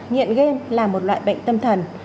nghiện game là một loại bệnh tâm thần